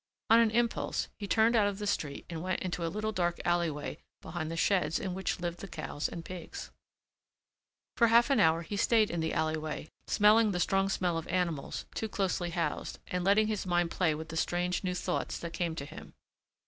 On an impulse he turned out of the street and went into a little dark alleyway behind the sheds in which lived the cows and pigs. For a half hour he stayed in the alleyway, smelling the strong smell of animals too closely housed and letting his mind play with the strange new thoughts that came to him.